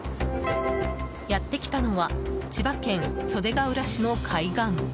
やってきたのは千葉県袖ケ浦市の海岸。